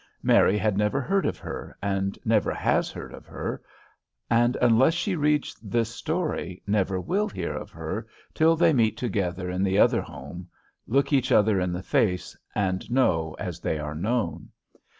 Mary had never heard of her and never has heard of her, and, unless she reads this story, never will hear of her till they meet together in the other home, look each other in the face, and know as they are known.